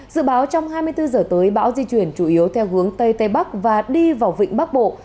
dự báo trong hai mươi bốn giờ tới bão di chuyển chủ yếu theo hướng tây tây bắc và đi vào vịnh bắc bộ